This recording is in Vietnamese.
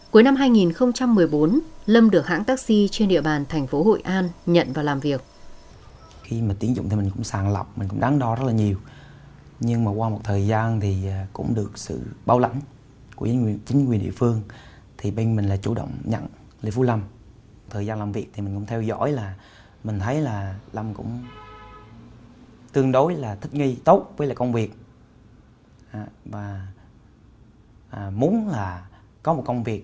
cuối năm hai nghìn một mươi bốn lâm được hãng taxi trên địa bàn thành phố hội an nhận vào làm việc